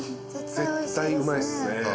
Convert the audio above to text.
絶対うまいっすね。